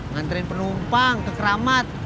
nganterin penumpang ke keramat